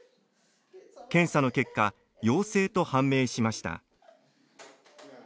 検査の結果、陽性と判明しました。